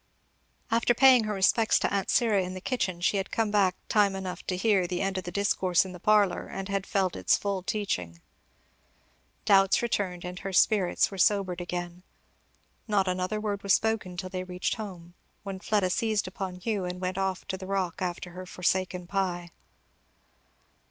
After paying her respects to aunt Syra in the kitchen she had come back time enough to hear the end of the discourse in the parlour, and had felt its full teaching. Doubts returned, and her spirits were sobered again. Not another word was spoken till they reached home; when Fleda seized upon Hugh and went off to the rock after her forsaken pie.